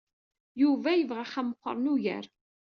Yuba yebɣa axxam meɣɣren ugar.